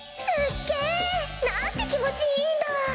すっげえ！なんて気持ちいいんだ。